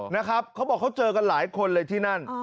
นะครับเขาบอกเขาเจอกันหลายคนเลยที่นั่น